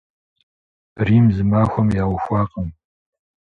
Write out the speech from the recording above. Рим зы махуэм яухуакъым.